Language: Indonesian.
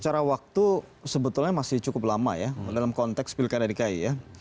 secara waktu sebetulnya masih cukup lama ya dalam konteks pilkada dki ya